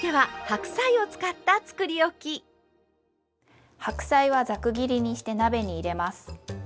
白菜はざく切りにして鍋に入れます。